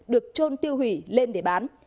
được trôn tiêu hủy lên để bán